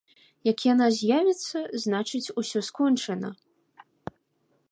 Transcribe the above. Як яна з'явіцца, значыць, усё скончана.